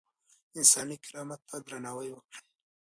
انساني کرامت ته درناوی وکړئ.